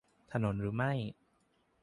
ถนนหรือไม่